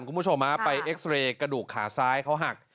คุณผู้ชมฮะไปเอ็กซ์เรย์กระดูกขาซ้ายเขาหัก